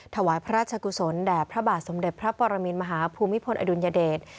ถวายพระราชกุศลแด่พระบาทสมเด็จพระปรมินมหาภูมิพลอดุลยเดช